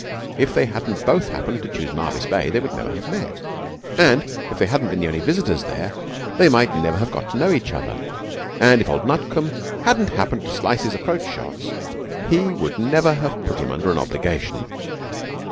If they hadn't both happened to choose Marvis Bay they would never have met. And if they hadn't been the only visitors there they might never have got to know each other. And if old Nutcombe hadn't happened to slice his approach shots he would never have put him under an obligation.